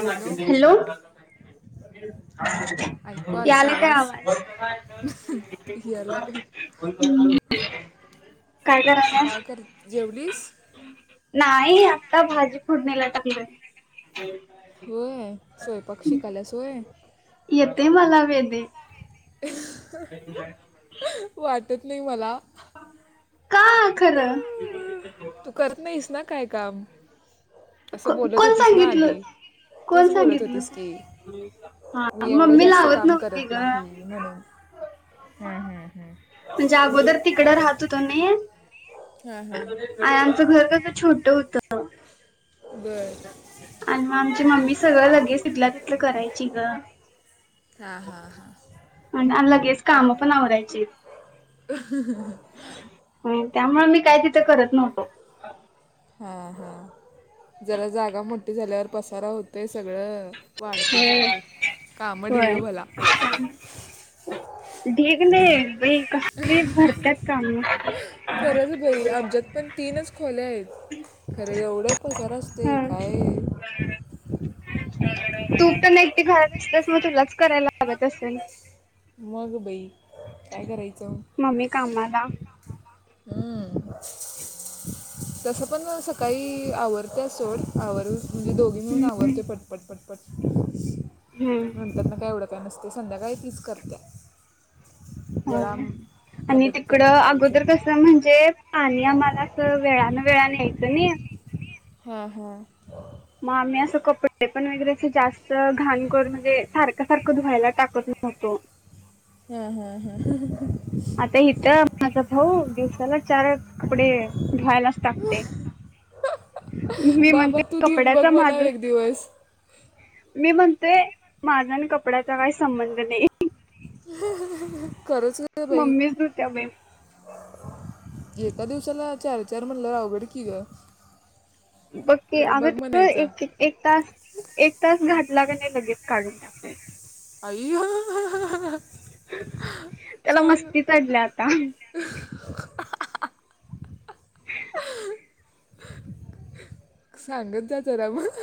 Hello हां ऐकू आला यायलाय काय आवाज? हेला ह्अ काय कराय? काय कर जेवलीस? नाही आता भाजी फोडणीला टाकलोय. होय स्वयंपाक शिकालिसा होय. येतंय मला वेदे. [unintelligible] [unintelligible] वाटत नाही मला. का खरं? तू करत नाहीस ना काय काम. असं को- बोलत कोण होतीस ना सांगितलं आधी कोण तूच बोलत सांगितलं होतीस की. हा मी एवढं मम्मी जास्त लावत काम नव्हती करत ग नाही म्हणून हम् हम् हम्म म्हणजे अगोदर तिकडं राहत होतो ने हा हा आए आमचं घर कसं छोटं होत. बरं आनं म आमची मम्मी सगळं लगेच तिथल्या तिथं करायची गं. हां हां हां आनआन लगेच काम पण आवरायचीत. अ ह् ह्म त्यामुळं मी काय तिथं करत नव्हतो. हा हा जरा जागा मोठी झाल्यावर पसारा होतंय सगळं वाढतच होय जातंय कामं ढिग होय भला. ढीग नाही बाई कसली भरत्यात काम. खरंच बाई आमच्यात पण तीनच खोल्या आहेत खरं एवढं पसारा असतोय ह काय तू पण एकटी घरात असतीयास मग तुलाच करायला लागत असंन? मग बाई काय करायचं. मम्मी कामाला हम्म तसं पण सकाळी अ.. आवरतंय सोड. आवरून, म्हणजे दोघी मिळून आवरतोय पट पट पट हम्म नंतर न काय एवढं काय नसते संध्याकाळी तीच करते. होय. जरम आणि तिकड अगोदर कसं म्हणजे पाणी आम्हाला असं वेळान वेळा यायचं नई. हा हा. मग आम्ही असं कपडे पण वैगरे जास्त घाण करून म्हणजे सारख सारखं धुवायला टाकत नव्हतो. हम्म.. हम्म.. हम्म आता इथं माझा भाऊ दिवसाला चार आठ कपडे धुवायलाच टाकतय. ह... बाबा तू देऊन बघ कपड्याचा माझ मनाव एक दिवस मी म्हणते माझ आणि कपड्याचा काही संबंध नाही. ह्... ह.. करूच न मम्मीच धुते बई एका दिवसाला चार- चार म्हणलं अवघड की ग बग की, जरा आग.. बघ म्हणायचं एक.. एक तास एक तास घातला का नाही लगेच काढून टाकतोय. अय्या... ह्.. ह्.. त्याला मस्ती चढल्या आता. सांगत जा जरा मग ह्....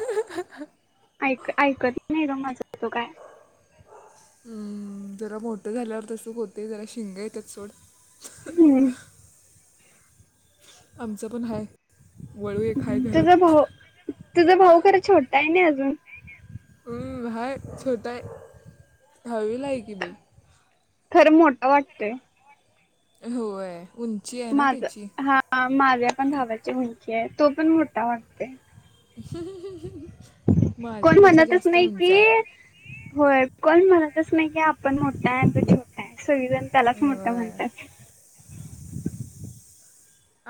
ऐक.. ऐकत नाही माझा तो काय हम्म.. जरा मोठं झाल्यावर तस होते जरा शिंगा येते सोड. हम्म आमचं पण आहे. वळू अ.. एक आहे त्याज घरात भा.. त्याज भाऊ छोटा आहे ना अजून. हम्म.. हाय, छोटा है.. दहावीला है की बई खरं मोठा वाटतंय होय. उंची अ माझ... हा माझ्या पण भावाची उंची आहे तो पण मोठा वाटतोय. ह्... ह्.. ह्.. कोण म्हणतच नाही की.. होय कोण म्हणतच नाही की आपण मोठा आहे तू छोटा आहे, सगळेजण व्हाय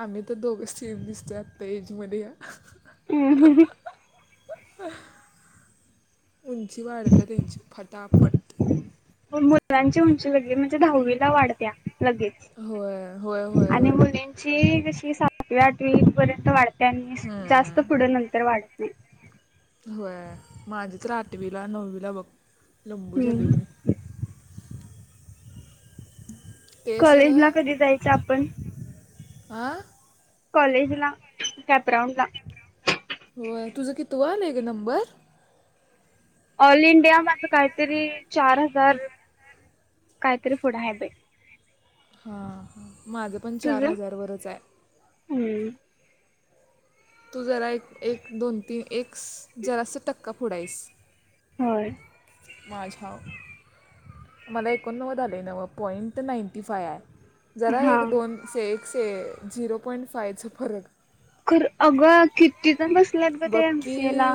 आम्ही तर दोघच सेम दिसतोय आता ऐज मध्ये ह्.. ह.. हम्म.. हम् उंची वाढते त्यांची फटाफट मुलांची उंची लगे म्हणजे दहावी ला वाढत्या लगेच होय होय होय आणि होय मुलींची कशी सातवी- आठवी पर्यंत वाढते. त्यांनी जास्त हम्म. पुढं नंतर वाढत नाही. होय.. माझी तर आठवीला, नववीला बघ लंबू झाले हम्म मी कॉलेजला तेसं... कधी जायचं आपण हा कॉलेजला कॅपग्राऊंडला होय.. तुझ कितव आलाय ग.. नंबर ऑल इंडिया माझं काहीतरी चार हजार काहीतरी फुढ आहे बाई हां, माझं पण चार तुझं हजारावरच आय. हम्म. तू जरा एक एक दोन तीन एक जरास टक्का पुढं हाईस. होय. माझ्याव मला एकोणनव्वद आलय नवं पॉईंट नाईंटी फाय आहे, जरा हा एक दोन से एक से, झिरो पॉईंट फायच फरक. कुरं, अगं किती जण बसलेत ग बघ ते की एमसी ए ला.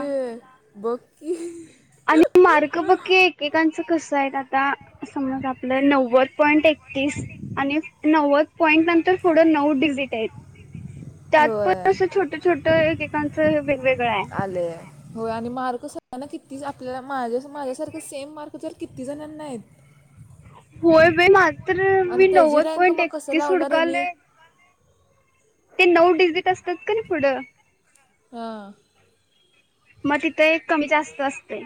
[unintelligible] आणि मार्क बघ की एक एकांचं कसं आहेत, आता समज आपलं नव्वद पॉईंट एकतीस, आणि नव्वद पॉईंट नंतर नऊ डिजीट आहेत, फक् त्यात पण होय असं छोटं छोटं एकेकांचं वेगवेगळं आय. आले होय आणि मार्क सगळ्यांना किती आपल्याला माझ्या, माझ्यासारखं सेम मार्क तर किती जणांना आहेत. होय बाई माझं तर आणि मी त्याची नव्वद रँक पॉईंट मग कसं एकतीस लावणार यांनी हुडकालोय. ते नऊ डिजिट असतात का नाही पुढं, हां. मग तिथं एक कमी जास्त असतय.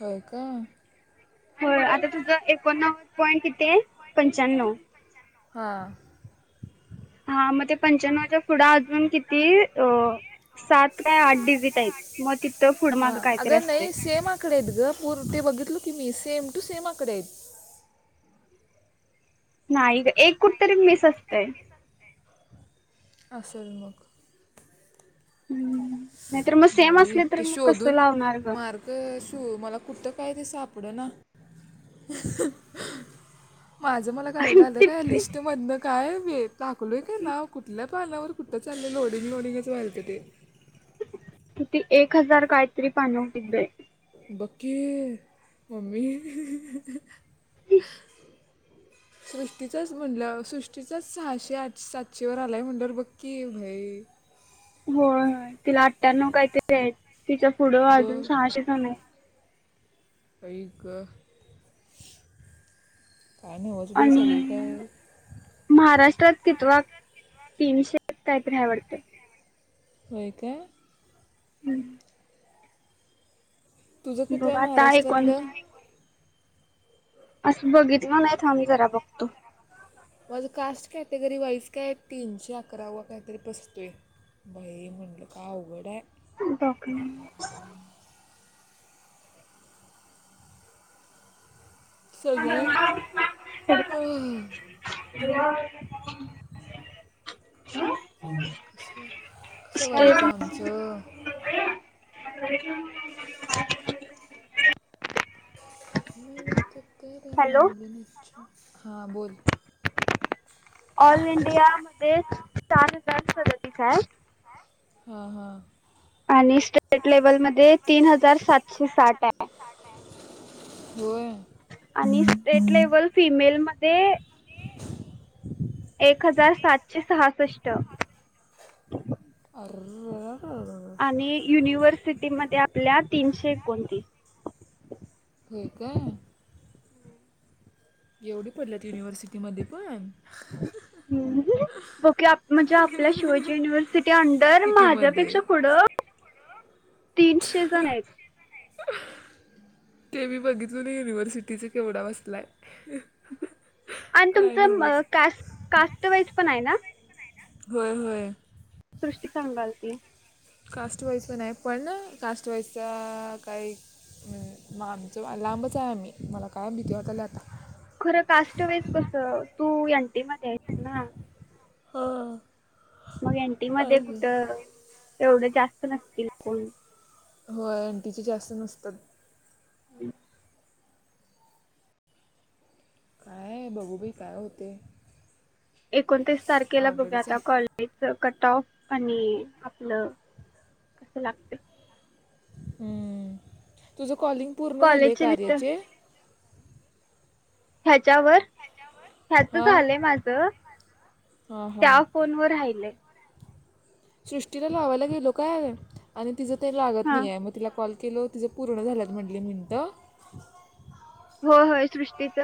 होय का? होय, आता तुझं एकोणनव्वद पॉईंट किती आहे? पंच्याण्णव. हां. हा, मग ते पंच्याण्वाच्या पुुढं अजून किती अ. सात का आठ डिजीट आहेत, मग तिथं पुढं मागं हां काहीतरी अगं असतंय. नाही सेम आकडे आहेत ग, पूर ते बघितलो की मी, सेम टू सेम आकडे आहेत. नाही गं, एक कुठं तरी मिस असतय. असेल मग. हम्म, नाही तर मग सेम असले तर मग कसं लावणार ग. अगं शिव मला कुठं काय ते सापडना. माझं मला काढायला आलं काय लिस्टमधनं, काय व टाकलोय की नाव कुठल्या पानावर कुठं चाललंय लोडिंग लोडिंगच वालतं ते. किती एक हजार कायतरी पानं हुतीत बाई. बघ की, मम्मी. [unintelligible] सृष्टीचंच म्हटलं, सृष्टीचच सहाशे आठ सातशेवर आलाय म्हणल्यावर बघ की भाई. होय होय, तिला अठ्ठ्याण्णव काही तरी आहे, तिच्या पुढं ब अजून सहाशे जणं आहे. आई गं, काय नव्हचं बाई सगळी काय आणि महाराष्ट्रात कितवा, तीनशे काही तरी हाय वाटतं. होय काय. हम्म. तुझं बघ कितवंय आता एकोण महाराष्ट्रातलं? असं बघितलो नाही थांब जरा बघतो. माझं कास्ट कॅटेगरी वाईज काय तीनशे अकराव काय तरी बसतोय. बई म्हणलं काय अवघड आय. [unintelligible] बाप रे. सगळं [unintelligible] अं म कसं कसं व्हायचं आमचं. [unintelligible] हॅलो हा बोल? ऑल इंडिया मध्ये चार हजार सदोतीस आहं. हां हां आणि स्टेट लेवल मध्ये तीन हजार सातशे साठ आहं. होय आणि स्टेट लेवल फिमेल मध्ये एक हजार सातशे सहासष्ट. अरररअ. आणि युनिव्हर्सिटीमध्ये आपल्या तीनशे एकोणतीस. हे काय. एवढी पडल्यात युनिव्हर्सिटी मध्ये पण? हम्म ओके आ म्हणजे आपल्या शिवाजी युनिव्हर्सिटी अंडर सिटीमध्ये माझ्यापेक्षा पुढं तीनशे जण आहेत. हंअ ते मी बघितलो नाही युनिव्हर्सिटीच केवढा बसलाय. आणि काय तुमचं नवच का कास्टवाईज पण आहे ना? होय होय सृष्टी सांगालती. कास्ट वाईज पण आहे पण कास्ट वाईजचा काही म आमचं लांबच आहे आम्ही मला काय भीती वाटालीया आता. खरं काष्ट वाइज कस तू ऐन्टी मध्ये आहेसना? हां मग एनटी मध्ये आहे. कुठं एवढं जास्त नसतील कोण. हो एनटीची जास्त नसतात. [unintelligible] काय बघूबाई काय होतंय. एकोणतीस तारखेला बघू अवघडच आता आहे कॉल ह्याच कटऑफ आणि आपलं कस लागतंय. हम्म तुझ कॉलिंग पूर्ण झालंय कॉलेजची लिस्ट कार्याचे? ह्याच्यावर? ह्याच हां झालय माझ हां हां त्या फोन वर राहिलय. सृष्टीला लावायला गेलो काय आणि तिचं ते लागत हा नाहीये मग तिला कॉल केल तिझं पूर्ण झाल्यात म्हटली मिनटं. होय होय सृष्टीच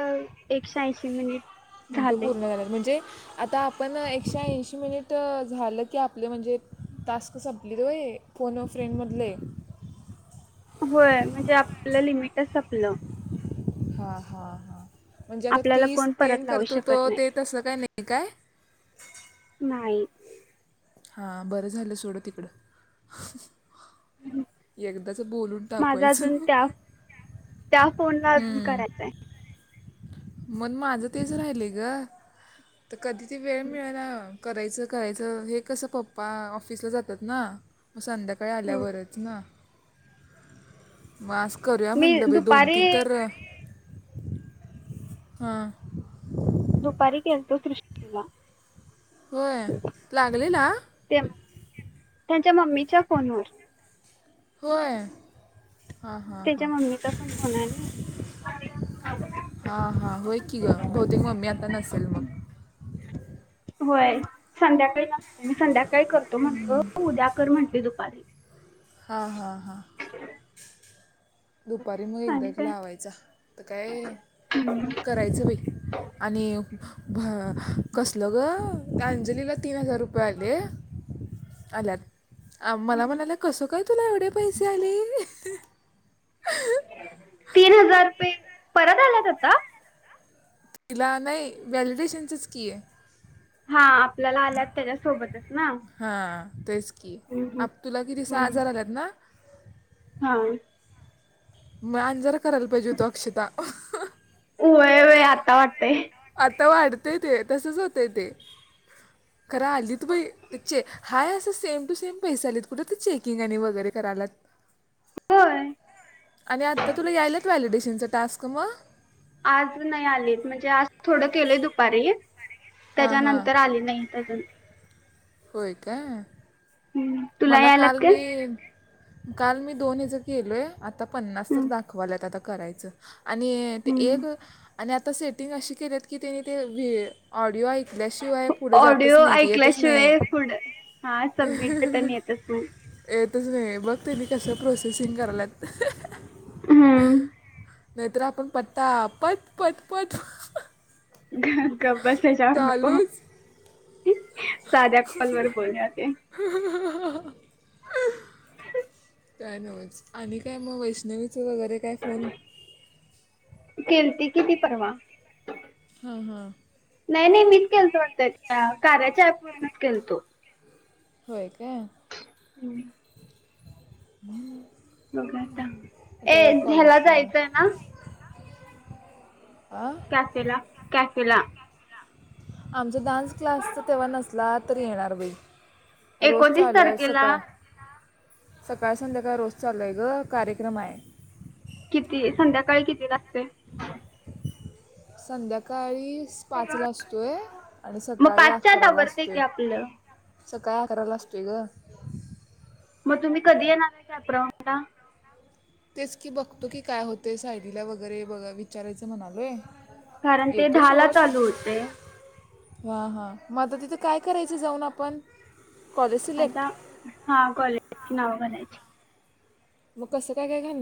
एकशे ऐंशी मिनिट म्हणतो झाले पूर्ण झाल्यात म्हणजे आता आपण एकशे ऐंशी मिनिट मिनटं झालं की आपलं म्हणजे टास्क संपलीत होय फोन व फ्रेंड मधले? होय म्हणजे आपलं लिमिटच संपलं. हा हा हा म्हणजे आता आपल्याला तीस कोण परत तेन लावू करतो शकत तो नाही ते त तसं काय नाही काय? नाही. हा बरं झालं सोडं तिकडं. एकदाच बोलून माझा अजून टाकवायचं. त्या त्या फोनला अजून करायचं आहे. मन माझं तेच राहिले ग तर कधी ते वेळ मिळलना. करायचं करायचं हे कसं पप्पा ऑफिसला जातात ना. मग संध्याकाळी आल्यावरच ना. म आज करूया मी म्हटलं बाई दोन दुपारी तीन तर- हां दुपारी केलतो सृष्टी ला होय लागले ला? ते त्यांच्या मम्मीच्या फोनवर. होय हा हा हा त्यांच्या मम्मीचा पण फोन आहे ना. हा हा होय की ग बहतेक मम्मी आता नसेल. होय संध्याकाळी असत्या, मी संध्याकाळी करतो म्हंटलो. हो उद्याकर म्हटली दुपारी. हा हा हा. दुपारी मग एकदा आणि एक काय लावायचा तर काय कर- बाई आणि कसलं ग अंजलीला तीन हजार रुपये, मला म्हणाले कसं काय तुला एवढे पैसे आले. तीन हजार रुपये परत आल्यात आता. तिला नाही व्हॅलिडेशनचच की आहे. हा आपल्याला आल्यात त्याच्यासोबतच ना. हा तेच की हम्म हम्म. आप तुला किती सहा हम्म. हजार आलात ना. हा. मग अन जरा करायला पाहिजे होतो अक्षता. व्हय व्हय आता वाटते. आता वाटतय ते तसच होतय ते. खर आलीत बाई तेचे हाय असं सेम टू सेम पैसे आलेत कुठे ते चेकिंग आणि वगैरे करायला लागले. होय. आणि आत्ता तुला यायलात व्हॅलिडेशनचं टास्क मग. आज नाही आलीत, म्हणजे आज थोडं केलंय दुपारी. हां त्येज्या हां नंतर आले नाही अजून. होय काय. हम्म तुला मला यायलात काल काय? मी, काल मी दोन हेज केलोय. आता पन्नास तर हम्म दाखवालात आता करायचं आणि ते एक हम्म आणि आता सेटींग अस केलेत की त्याने ते व्ह ऑडिओ ऐकल्या शिवाय तू हे पुढं जातच ऑडिओ नाही ते येतच नाही. ऐकल्याशिवाय पुढं हा सबमिट बटन येतच नाही. येतच नाही बघ त्यांनी कसं प्रोसेसिंग कराल्यात. हम्म. नाही तर आपण पट्टता पट पट पट पट. गप्प बस यांच्यावर नको. चालूच साध्या कॉल वर बोलुया ते. हा हा हा हा हा [unintelligible] काय नवच, आणि काय मग वैष्णवीच वगैरे कायफोन. केलती की ती परवा. हा हा. नाही नाही मीच केलतोता कार्याच्याप वरूनच केलतो. [unintelligible] होय काय. हम्म. हम्म. [unintelligible] घ आता ए घ्यायला जायचय ना. हा. काला काॅफला. [unintelligible] आमचा डान्स क्लास तर तेव्हा नसला तरी येणार बे. रोज एकोणतीस चालू आहे तारखेला सकाळ. सकाळ संध्याकाळ रोज चालूय ग कार्यक्रम आहे. किती संध्याकाळी किती लागते? संध्याकाळी. पाचला असतोय आणि मग सकाळी पाचच्यात अकराला आवरतंय असतोय. की आपलं. सकाळी अकराला असतोय गं. मग तुम्ही कधी येणार आहे कॅपरांउंडला. तेच की बघतो की काय होतेय सायलीला वगैरे ब विचारायचं म्हणालोय. कारण ते येतो दहाला सोड. चालू होते हा हा म आता तिथं काय करायचं जाऊन आपण कॉलेज आता सिलेक्ट हा कॉलेजची नाव करायची. मग कसं काय काय घाल